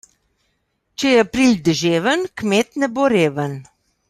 Če je april deževen, kmet ne bo reven.